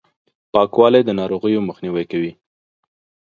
پاکوالي، د ناروغیو مخنیوی کوي!